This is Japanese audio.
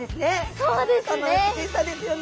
そうですね。